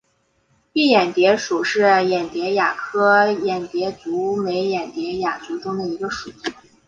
蔽眼蝶属是眼蝶亚科眼蝶族眉眼蝶亚族中的一个属。